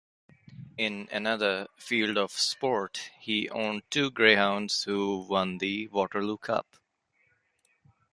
In another field of sport, he owned two greyhounds who won the Waterloo Cup.